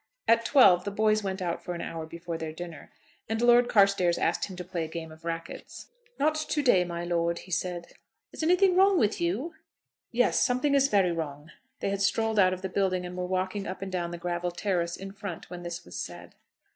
At twelve the boys went out for an hour before their dinner, and Lord Carstairs asked him to play a game of rackets. "Not to day, my Lord," he said. "Is anything wrong with you?" "Yes, something is very wrong." They had strolled out of the building, and were walking up and down the gravel terrace in front when this was said.